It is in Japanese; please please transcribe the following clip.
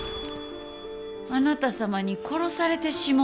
あなた様に殺されてしもうた。